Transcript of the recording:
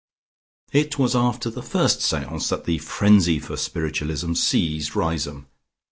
It was after the first seance that the frenzy for spiritualism seized Riseholme.